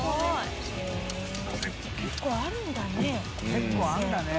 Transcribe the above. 結構あるんだね。